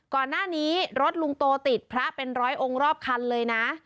ก่อนหน้านี้รถลุงโตติดพระเป็นร้อยองค์รอบคันเลยนะ